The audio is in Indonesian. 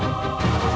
aku akan menang